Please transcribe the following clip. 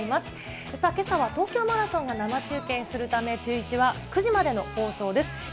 けさは東京マラソンが生中継するため、シューイチは９時までの放送です。